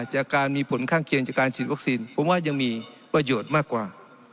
จากการมีผลข้างเคียงจากการฉีดวัคซีนผมว่ายังมีประโยชน์มากกว่า